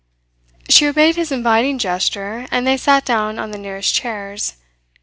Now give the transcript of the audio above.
She obeyed his inviting gesture, and they sat down on the nearest chairs.